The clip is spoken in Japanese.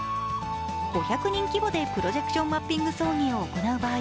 ５００人規模でプロジェクションマッピング葬儀を行う場合